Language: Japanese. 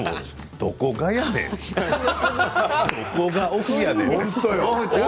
どこがオフやねん。